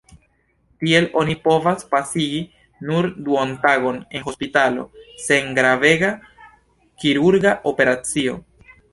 Tiel oni povas pasigi nur duontagon en hospitalo, sen gravega kirurga operacio.